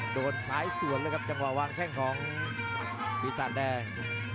โดนซ้ายสวนเลยครับจังหวะวางแข้งของปีศาจแดง